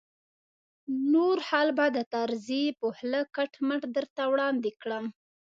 نور حال به د طرزي په خوله کټ مټ درته وړاندې کړم.